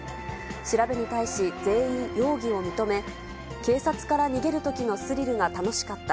調べに対し、全員容疑を認め、警察から逃げるときのスリルが楽しかった。